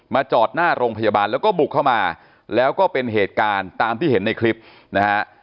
จอดหน้าโรงพยาบาลแล้วก็บุกเข้ามาแล้วก็เป็นเหตุการณ์ตามที่เห็นในคลิปนะฮะ